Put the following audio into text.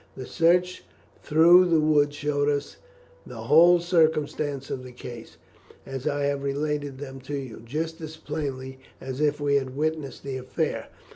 The search through the wood showed us the whole circumstances of the case, as I have related them to you, just as plainly as if we had witnessed the affair.